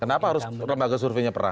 kenapa harus lembaga surveinya pernah